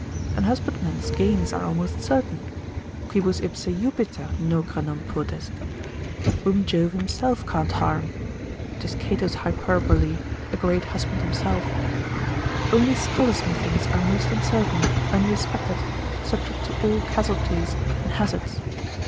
An husbandman's gains are almost certain; quibus ipse Jupiter nocere non potest (whom Jove himself can't harm) ('tis Cato's hyperbole, a great husband himself); only scholars methinks are most uncertain, unrespected, subject to all casualties, and hazards.